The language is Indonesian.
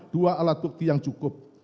dua alat bukti yang cukup